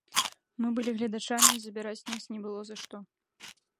Мы былі гледачамі і забіраць нас не было за што.